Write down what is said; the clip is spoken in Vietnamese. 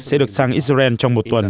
sẽ được sang israel trong một tuần